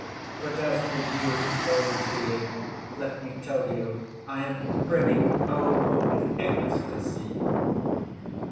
But as for you, holy being, let me tell you, I am brimming over with ecstasy."